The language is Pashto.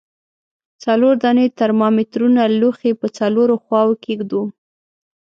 څلور دانې ترمامترونه لوښي په څلورو خواو کې ږدو.